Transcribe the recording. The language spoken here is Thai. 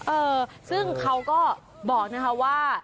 เออซึ่งเขาก็บอกนะคะว่า